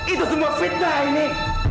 itu semua fitnah ini